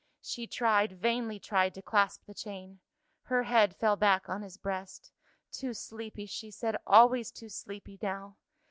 She tried, vainly tried, to clasp the chain. Her head fell back on his breast. "Too sleepy," she said; "always too sleepy now!